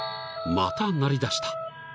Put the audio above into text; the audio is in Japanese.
［また鳴りだした］